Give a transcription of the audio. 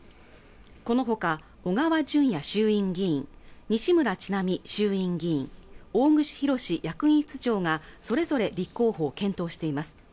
このほか小川淳也衆院議員西村智奈美衆院議員大串博志役員室長がそれぞれ立候補を検討しています